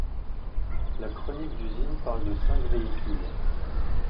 La chronique d'usine parle de cinq véhicules.